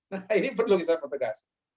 nah ini perlu kita pertegas